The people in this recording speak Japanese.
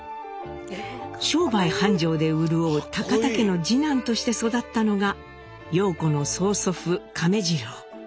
商売繁盛で潤う田家の次男として育ったのが陽子の曽祖父亀治郎。